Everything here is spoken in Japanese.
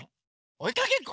おいかけっこ？